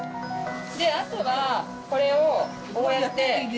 あとはこれをこうやって。